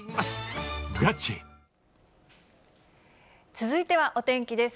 続いてはお天気です。